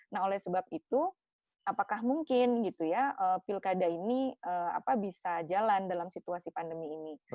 nah oleh sebab itu apakah mungkin gitu ya pilkada ini bisa jalan dalam situasi pandemi ini